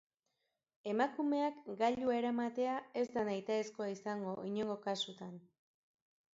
Emakumeak gailua eramatea ez da nahitaezkoa izango inongo kasutan.